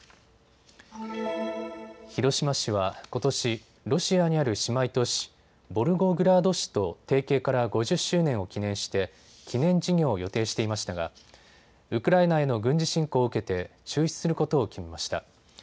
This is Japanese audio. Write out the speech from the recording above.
広島市はことし、ロシアにある姉妹都市、ボルゴグラード市と提携から５０周年を記念して記念事業を予定していましたがウクライナへの軍事侵攻を受けて中止することを決めました。